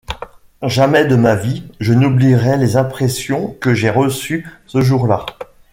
Jamais de ma vie, je n'oublierai les impressions que j'ai reçues ce jour-là.